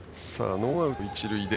ノーアウト一塁です。